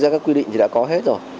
các quy định thì đã có hết rồi